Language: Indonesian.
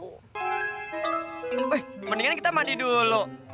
mendingan kita mandi dulu